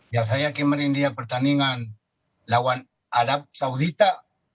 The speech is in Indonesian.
ya saya yakin menindih pertandingan lawan arab saudita